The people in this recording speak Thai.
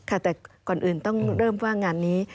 ค่ะแต่ก่อนอื่นต้องเริ่มว่างงานนี้